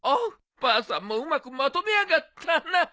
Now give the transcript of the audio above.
ばあさんもうまくまとめやがったな。